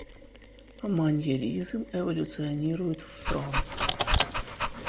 Маньеризм эволюционирует в фронт.